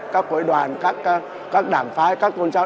các hội đoàn các đảng phái các tôn giáo